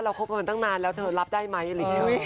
เราคบกันตั้งนานแล้วเธอรับได้ไหม